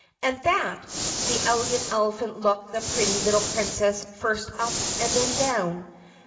And that " the Elegant Elephant looked the pretty little Princess first up and then down.